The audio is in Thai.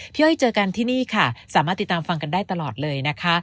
อ้อยเจอกันที่นี่ค่ะสามารถติดตามฟังกันได้ตลอดเลยนะคะ